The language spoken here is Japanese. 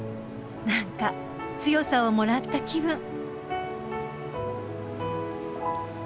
なんか強さをもらった気分。